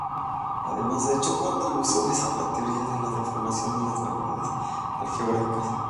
Además, ha hecho contribuciones a la teoría de la deformación de las variedades algebraicas.